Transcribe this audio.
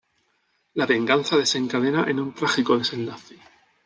La venganza desencadena en un trágico desenlace.